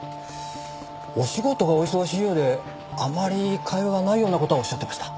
お仕事がお忙しいようであまり会話がないような事はおっしゃってました。